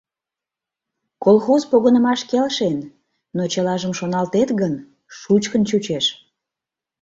Колхоз погынымаш келшен, но чылажым шоналтет гын, шучкын чучеш...